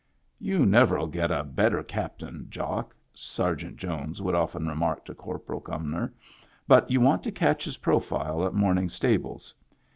" You never'U get a better captain, Jock," Ser geant Jones would often remark to Corporal Cumnor. " But you want to catch his profile at morning stables.